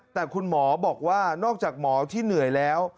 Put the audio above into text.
แต่คุณหมอบอกว่านอกจากหมอที่เหนื่อยแล้ว